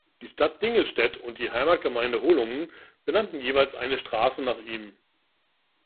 Die Stadt Dingelstädt und die Heimatgemeinde Holungen benannten jeweils eine Straße nach ihm.